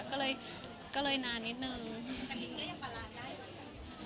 ก็เลยก็เลยนานนิดหนึ่งแต่มิ้นก็ยังประหลาดได้ไหม